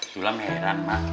sula meheran mak